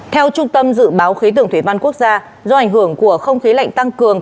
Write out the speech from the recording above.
theo trung tâm dự báo khí tượng thủy văn quốc gia do ảnh hưởng của không khí lạnh tăng cường